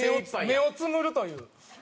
目をつむるという。